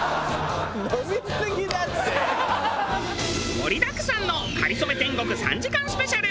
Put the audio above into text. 盛りだくさんの『かりそめ天国』３時間スペシャル。